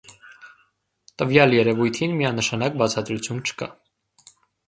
Տվյալ երևույթին միանշանակ բացատրություն չկա։